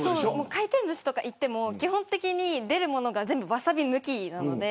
回転ずしとか行っても基本的に出る物が全部ワサビ抜きなので。